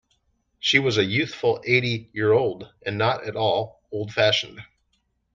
She was a youthful eighty-year-old, and not at all old-fashioned.